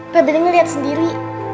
pebri ngeliat sendiri